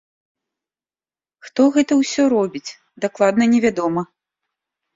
Хто гэта ўсё робіць, дакладна не вядома.